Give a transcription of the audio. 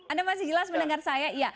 anda masih jelas mendengar saya